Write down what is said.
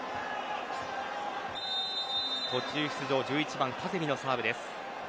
途中出場１１番、カゼミのサーブです。